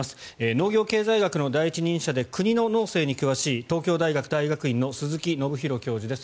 農業経済学の第一人者で国の農政に詳しい東京大学大学院の鈴木宣弘教授です。